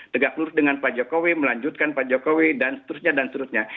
tegak lurus dengan pak jokowi melanjutkan pak jokowi dan seterusnya dan seterusnya